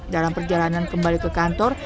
dalam perjalanan kembali ke kantor